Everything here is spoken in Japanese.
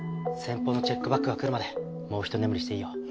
先方のチェックバックがくるまでもうひと眠りしていいよ。